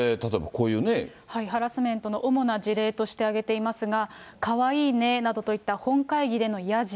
ハラスメントの主な事例として挙げていますが、かわいいねなどといった本会議でのヤジ。